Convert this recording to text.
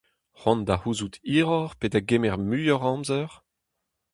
C'hoant da c'houzout hiroc'h pe da gemer muioc'h a amzer ?